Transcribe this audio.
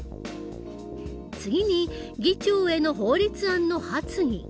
次に議長への法律案の発議。